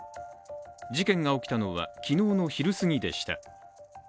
事件が起きたのは、昨日の昼すぎでした。